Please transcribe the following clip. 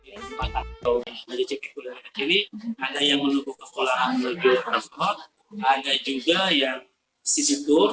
ada yang menunggu kekolahan ada yang menunggu kekot ada juga yang si situ